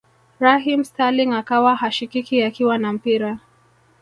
Raheem Sterling akawa hashikiki akiwa na mpira